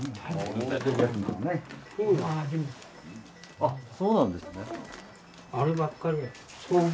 あっそうなんですね。